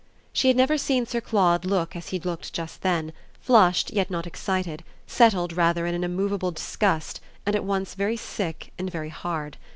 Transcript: She had never seen Sir Claude look as he looked just then; flushed yet not excited settled rather in an immoveable disgust and at once very sick and very hard.